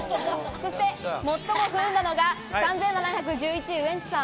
そして最も不運なのが３７１１位、ウエンツさん。